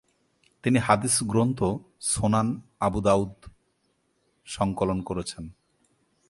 তিনি হাদিস গ্রন্থ সুনান আবু দাউদ সংকলন করেছেন।